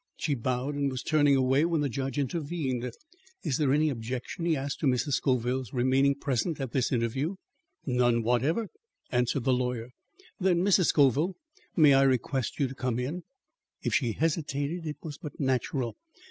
She bowed and was turning away when the judge intervened. "Is there any objection," he asked, "to Mrs. Scoville's remaining present at this interview?" "None whatever," answered the lawyer. "Then, Mrs. Scoville, may I request you to come in?" If she hesitated, it was but natural.